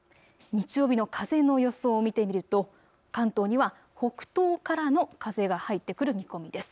日曜日の風の予想を見てみると関東には北東からの風が入ってくる見込みです。